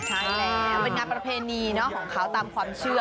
ใช่แล้วเป็นงานประเพณีของเขาตามความเชื่อ